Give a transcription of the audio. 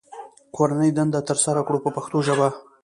کورنۍ دنده ترسره کړو په پښتو ژبه.